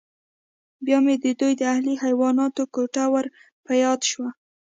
بیا مې د دوی د اهلي حیواناتو کوټه ور په یاد شوه